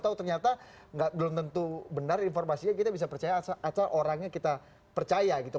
tahu ternyata enggak belum tentu benar informasi kita bisa percaya atau orangnya kita percaya gitu